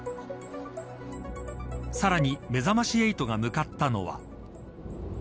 さらにめざまし８が向かったのは。